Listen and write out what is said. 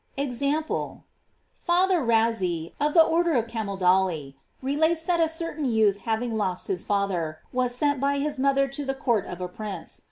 f EXAMPLE. Father Razzi, of the order of Camaldoli, relates that a certain youth having lost his father, was sent by his mother to the court of a princ e.